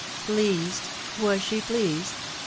Pleased !.... Was she pleased